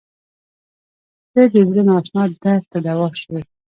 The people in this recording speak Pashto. • ته د زړه نااشنا درد ته دوا شوې.